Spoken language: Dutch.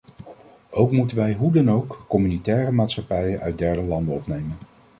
Ook moeten wij hoe dan ook communautaire maatschappijen uit derde landen opnemen.